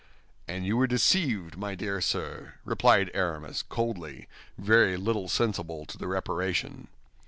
"And you were deceived, my dear sir," replied Aramis, coldly, very little sensible to the reparation.